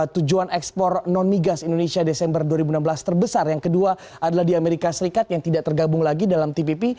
dua ribu enam belas terbesar yang kedua adalah di amerika serikat yang tidak tergabung lagi dalam tpp